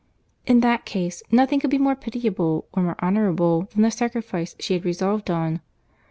In that case, nothing could be more pitiable or more honourable than the sacrifices she had resolved on.